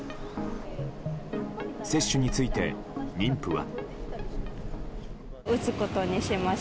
接種について、妊婦は。